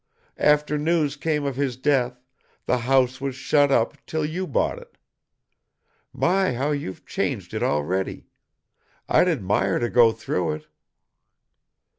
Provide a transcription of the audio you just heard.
After news came of his death, the house was shut up 'till you bought it. My, how you've changed it, already! I'd admire to go through it."